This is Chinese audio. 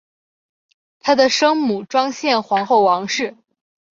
她的生母庄宪皇后王氏。